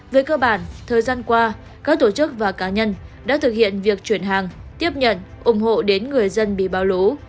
về cơ bản thời gian qua các tổ chức và cá nhân đã thực hiện việc chuyển hàng tiếp nhận ủng hộ đến người dân bị bão lũ